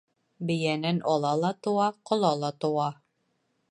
Бейәнән ала ла тыуа, ҡола ла тыуа.